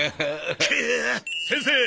先生！